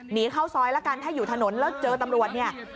หนีเข้าซอยแล้วกันถ้าอยู่ถนนแล้วเจอตำรวจเนี่ย